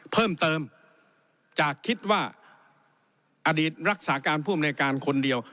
เพิ่มเติมจากคิดว่าอดีตรักษาการผู้อำนวยการคนเดียว